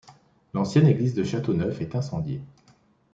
L'ancienne église de Châteauneuf est incendiée.